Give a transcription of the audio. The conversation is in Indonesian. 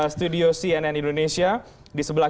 studio cnn indonesia di sebelah